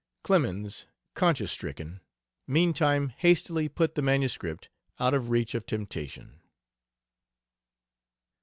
Clemens, conscience stricken, meantime, hastily put the MS. out of reach of temptation.